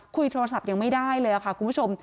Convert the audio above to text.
คุยโทรศัพท์ยังไม่ได้เลยค่ะคุณผู้ชม